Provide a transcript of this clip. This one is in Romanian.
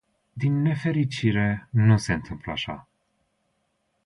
Din nefericire, nu se întâmplă așa.